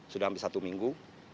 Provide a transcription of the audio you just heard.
sudah hampir satu minggu